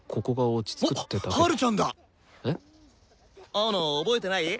青野覚えてない？